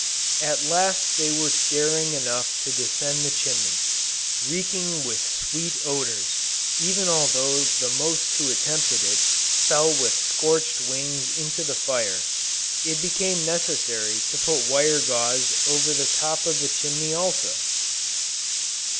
At last as they were daring enough to descend the chimney, reeking with sweet odors, even although the most who attempted it, fell with scorched wings into the fire, it became necessary to put wire gauze over the top of the chimney also!